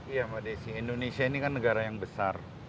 iya mbak desi indonesia ini kan negara yang besar